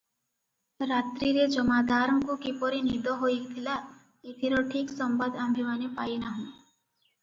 ରାତ୍ରିରେ ଜମାଦାରଙ୍କୁ କିପରି ନିଦ ହୋଇଥିଲା, ଏଥିର ଠିକ ସମ୍ବାଦ ଆମ୍ଭେମାନେ ପାଇ ନାହୁଁ ।